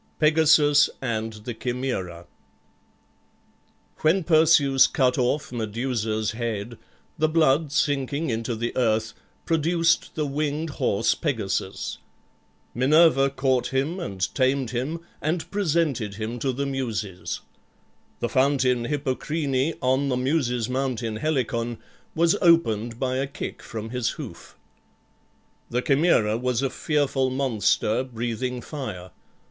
PEGASUS AND THE CHIMAERA When Perseus cut off Medusa's head, the blood sinking into the earth produced the winged horse Pegasus. Minerva caught him and tamed him and presented him to the Muses. The fountain Hippocrene, on the Muses' mountain Helicon, was opened by a kick from his hoof. The Chimaera was a fearful monster, breathing fire.